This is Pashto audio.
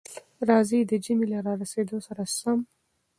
راځئ، د ژمي له را رسېدو سره سم،